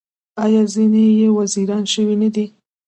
آیا ځینې یې وزیران شوي نه دي؟